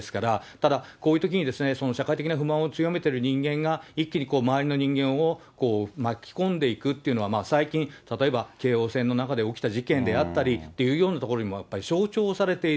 ただ、こういうときに社会的な不満を強めてる人間が、一気に周りの人間を巻き込んでいくというのは、最近、例えば京王線の中で起きた事件であったりというようなところにも象徴されている。